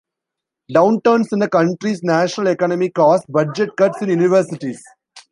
Downturns in a country's national economy cause budget cuts in universities.